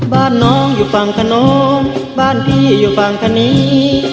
บ้านน้องอยู่ฝั่งขนบ้านพี่อยู่ฝั่งคณี